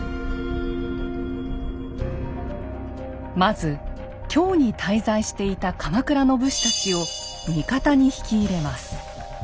まず京に滞在していた鎌倉の武士たちを味方に引き入れます。